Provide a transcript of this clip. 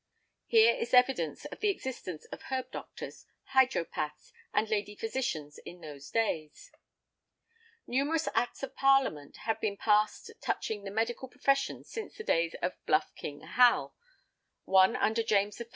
(Here is evidence of the existence of herb doctors, hydropaths and lady physicians in those days.) Numerous Acts of Parliament have been passed touching the medical profession since the days of "Bluff King Hal," |11| one under James I.